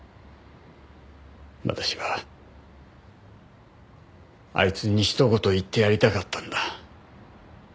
私はあいつにひと言言ってやりたかったんだ。